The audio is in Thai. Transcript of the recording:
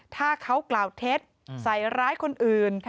ถ้าเขากล่าวเท็จใส่ร้ายคนอื่น